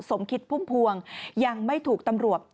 สมคิดพุ่มพวงยังไม่ถูกตำรวจ